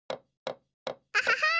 アハハー！